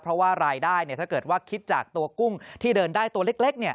เพราะว่ารายได้ถ้าเกิดว่าคิดจากตัวกุ้งที่เดินได้ตัวเล็ก